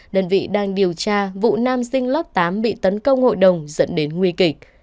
đơn vị đang điều tra vụ nam sinh lớp tám bị tấn công hội đồng dẫn đến nguy kịch